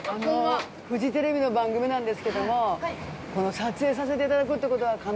フジテレビの番組なんですけども撮影させていただくってことは可能なんでしょうか？